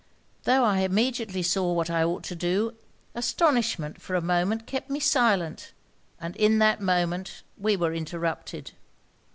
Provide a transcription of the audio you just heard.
'Tho' I immediately saw what I ought to do, astonishment for a moment kept me silent, and in that moment we were interrupted.